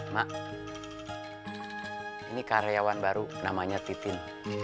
mak ini karyawan baru namanya titin